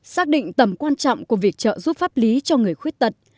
xác định tầm quan trọng của việc trợ giúp pháp lý cho người khuyết tật